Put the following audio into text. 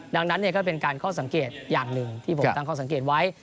ดังนั้นก็เป็นการข้อสังเกตอย่างหนึ่งที่ผมตั้งข้อสังเกตไว้